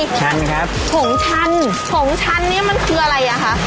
ชันครับผงชันผงชันเนี้ยมันคืออะไรอ่ะคะ